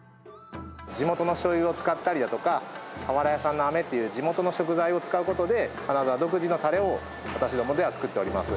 地元のしょうゆを使ったりだとか、俵屋さんのあめといった地元の食材を使うことで、金沢独自のたれを私どもでは作っております。